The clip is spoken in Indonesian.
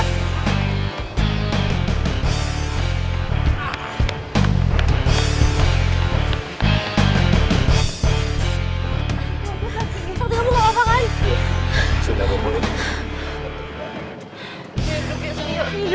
sakti kamu gak mau panggil